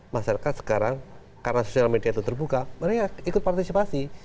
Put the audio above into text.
masyarakat sekarang karena sosial media itu terbuka mereka ikut partisipasi